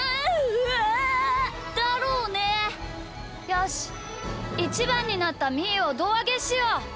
よしイチバンになったみーをどうあげしよう。